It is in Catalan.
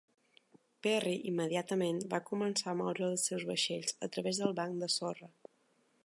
Perry immediatament va començar a moure els seus vaixells a través del banc de sorra.